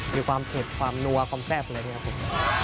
มีความเผ็ดความหนัวกว่ามแซ่บเลยครับ